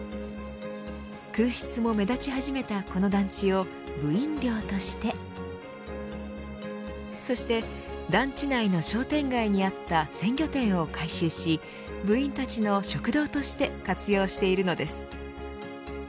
空室も目立ち始めたこの団地を部員寮としてそして団地内の商店街にあった鮮魚店を改修し部員たちの食堂として活用しているのです。